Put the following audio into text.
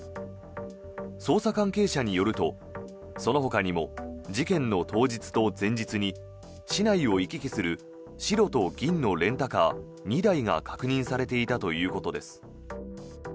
捜査関係者によるとそのほかにも事件の当日と前日に市内を行き来する白と銀のレンタカー２台が確認されていたということです。